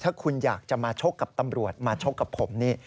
ถ้าคุณอยากจะมาชกกับตำรวจมาชกกับผมนี่